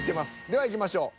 ではいきましょう。